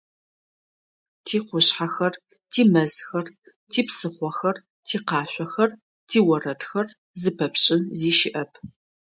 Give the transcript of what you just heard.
Тикъушъхьэхэр, тимэзхэр, типсыхъохэр, тикъашъохэр, тиорэдхэр - зыпэпшӏын зи щыӏэп.